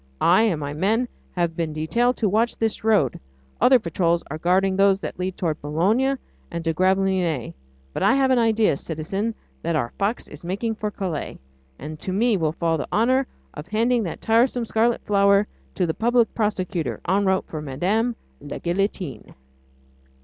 I and my men have been detailed to watch this road, other patrols are guarding those that lead toward Boulogne and to Gravelines; but I have an idea, citizen, that our fox is making for Calais, and that to me will fall the honour of handing that tiresome scarlet flower to the Public Prosecutor en route for Madame la Guillotine."